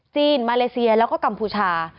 มาเลเซียแล้วก็กัมพูชา